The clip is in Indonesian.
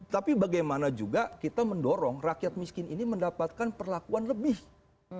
tapi bagaimana juga kita mendorong rakyat miskin ini mendapatkan perlakuan lebih banyak